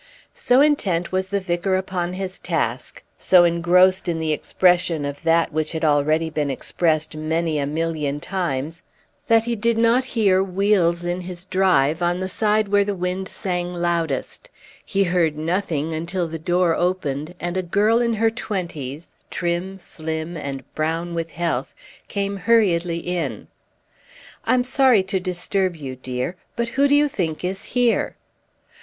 So intent was the vicar upon his task, so engrossed in the expression of that which had already been expressed many a million times, that he did not hear wheels in his drive, on the side where the wind sang loudest; he heard nothing until the door opened, and a girl in her twenties, trim, slim, and brown with health, came hurriedly in. "I'm sorry to disturb you, dear, but who do you think is here?"